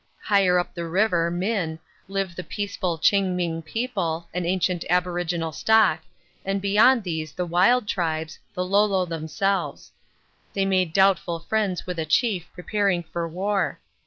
Higher up the river (Min) live the peaceful Ching Ming people, an ancient aboriginal stock, and beyond these the wild tribes, the Lolo themselves. They made doubtful friends with a chief preparing for war.